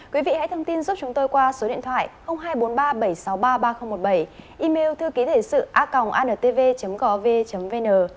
quý vị hãy thông tin giúp chúng tôi qua số điện thoại hai trăm bốn mươi ba bảy trăm sáu mươi ba ba nghìn một mươi bảy email thư ký sự a g antv gov vn